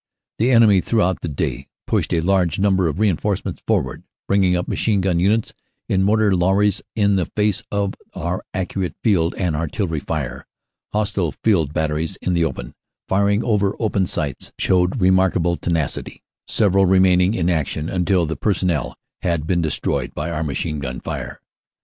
"The enemy throughout the day pushed a large number of reinforcements forward, bringing up Machine gun Units in motor lorries in the face of our accurate Field and Artillery Fire. Hostile Field Batteries in the open, firing over open sights, showed remarkable tenacity, several remaining in action until the personnel had been destroyed by our machine gun fire.